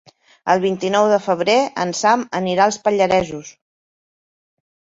El vint-i-nou de febrer en Sam anirà als Pallaresos.